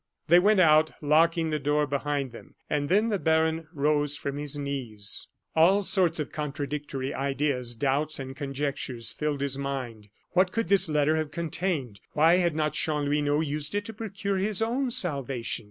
They went out, locking the door behind them; and then the baron rose from his knees. All sorts of contradictory ideas, doubts, and conjectures filled his mind. What could this letter have contained? Why had not Chanlouineau used it to procure his own salvation?